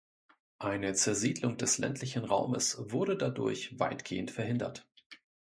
Eine Zersiedelung des ländlichen Raumes wurde dadurch weitgehend verhindert.